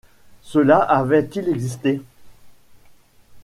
Cela avait-il existé?